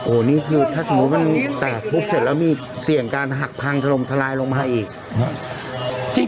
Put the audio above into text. โอ้โหนี่คือถ้าสมมุติมันแตกปุ๊บเสร็จแล้วมีเสี่ยงการหักพังถล่มทลายลงมาอีก